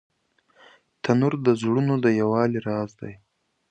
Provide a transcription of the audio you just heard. تنور د زړونو د یووالي راز لري